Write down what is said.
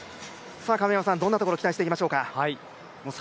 どんなところに期待していきましょうか。